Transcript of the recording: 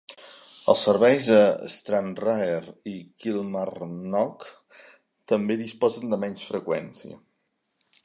Els serveis a Stranraer i Kilmarnock també disposen de menys freqüència.